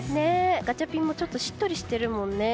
ガチャピンもちょっとしっとりしてるもんね。